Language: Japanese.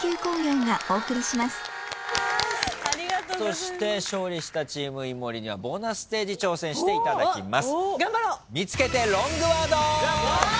そして勝利したチーム井森にはボーナスステージ挑戦していただきます。